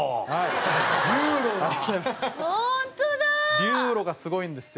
流路が、すごいんですよ。